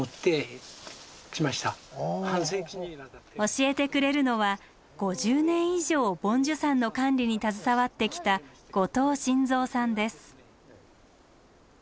教えてくれるのは５０年以上梵珠山の管理に携わってきたへえ。